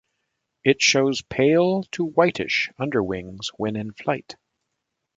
It shows pale to whitish underwings when in flight.